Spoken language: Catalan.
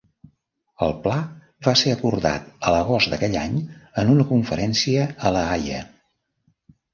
El pla va ser acordat a l'agost d'aquell any en una conferència a La Haia.